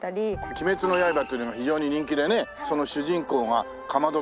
『鬼滅の刃』っていうのが非常に人気でねその主人公が竈門炭治郎と。